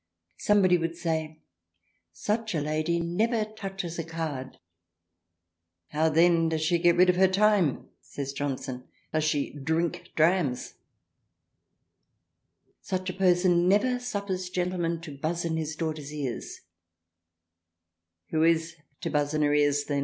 Somebody would say — such a Lady never touches a card, how then does she get rid of her time says Johnson does she drink Drams, Such a Person never suffers Gentlemen to buzz in his daughter's Ears, — who is to buzz in her Ears then